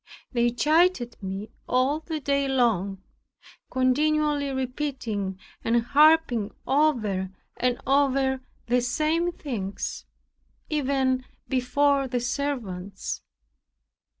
They chided me all the day long, continually repeating, and harping over and over the same things, even before the servants.